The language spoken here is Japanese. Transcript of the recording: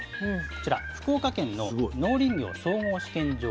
こちら福岡県の農林業総合試験場